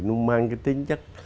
nó mang cái tính chất